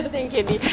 thank you di